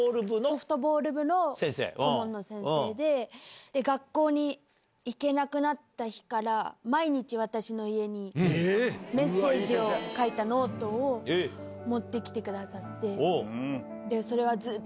ソフトボール部の顧問の先生で、学校に行けなくなった日から毎日、私の家にメッセージを書いたノートを持ってきてくださって。